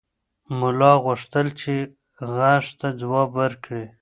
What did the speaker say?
ملا غوښتل چې غږ ته ځواب ورکړي.